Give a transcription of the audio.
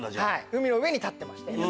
海の上に立ってまして。